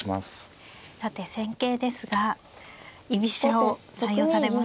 さて戦型ですが居飛車を採用されましたね。